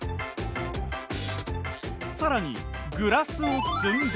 更にグラスを積んで。